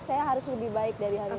saya harus lebih baik dari hari ini